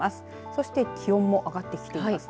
そして気温も上がってきています。